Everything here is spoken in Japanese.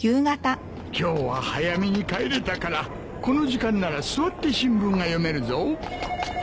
今日は早めに帰れたからこの時間なら座って新聞が読めるぞ。